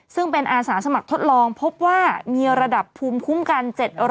ซึ่งเป็นอาสาสมัครทดลองพบว่ามีระดับภูมิคุ้มกัน๗๐๐